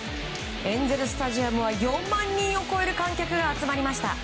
エンゼル・スタジアムは４万人を超える観客が集まりました。